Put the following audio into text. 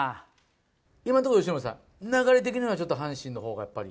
今のところ、由伸さん、流れ的にはちょっと阪神のほうがやっぱり？